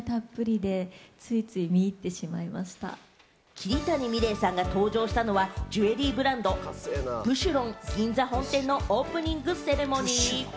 桐谷美玲さんが登場したのは、ジュエリーブランド・ブシュロン銀座本店のオープニングセレモニー。